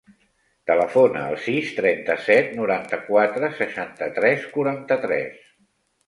Telefona al sis, trenta-set, noranta-quatre, seixanta-tres, quaranta-tres.